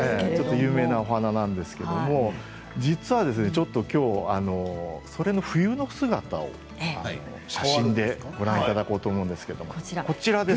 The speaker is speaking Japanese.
有名な花なんですけど実はきょうそれの冬の姿を写真でご覧いただこうと思うんですけど。